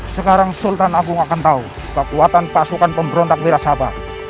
sekarang sultan agung akan tahu kekuatan pasukan pemberontak wirasabah